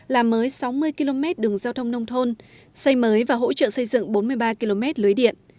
làm mới sáu mươi km đường giao thông nông thôn xây mới và hỗ trợ xây dựng bốn mươi ba km lưới điện